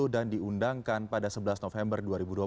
dan diundangkan pada sebelas november dua ribu dua puluh